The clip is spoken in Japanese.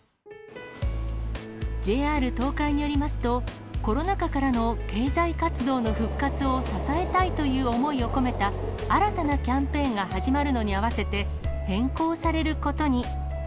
ＪＲ東海によりますと、コロナ禍からの経済活動の復活を支えたいという思いを込めた新たなキャンペーンが始まるのに合わせて、変更されることに。